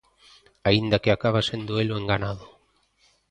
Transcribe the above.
Aínda que acaba sendo el o enganado.